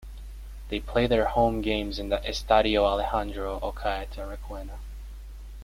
They play their home games in the Estadio Alejandro Ochaeta Requena.